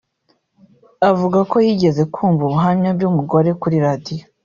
Avuga ko yigeze kumva ubuhamya bw’umugore kuri radiyo